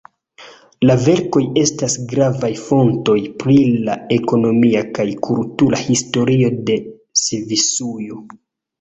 La verkoj estas gravaj fontoj pri la ekonomia kaj kultura historio de Svisujo.